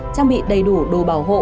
trang bị đầy đủ đồ bảo hộ